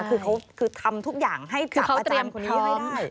คือเขาคือทำทุกอย่างให้จับอาจารย์คนนี้ย่อยได้